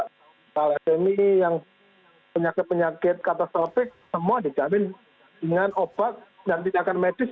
kalisemi penyakit penyakit katastrofik semua dijamin dengan obat dan tindakan medis